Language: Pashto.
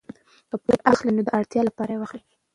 که پور اخلئ نو د اړتیا لپاره یې واخلئ.